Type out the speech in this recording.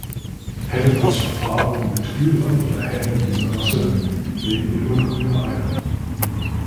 Hennen aus Verpaarungen mit Hühnern oder Hähnen dieser Rasse legen immer grüne Eier.